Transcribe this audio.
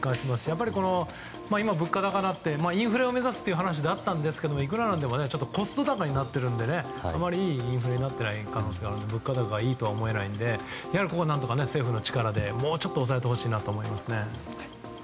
やっぱり今、物価高になってインフレ目指すという話でしたがいくらなんでもコスト高になっているのであまりいいインフレになっていない可能性があり物価高がいいとは思えないのでここは何とか政府の力でもうちょっと抑えてほしいです。